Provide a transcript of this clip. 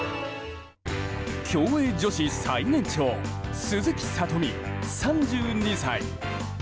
競泳女子最年長鈴木聡美、３２歳。